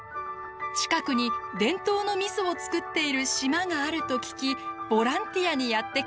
近くに伝統のみそを造っている島があると聞きボランティアにやって来たのです。